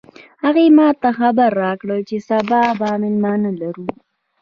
هغې ما ته خبر راکړ چې سبا به مېلمانه لرو